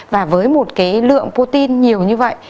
và với một cái lượng protein nhiều như vậy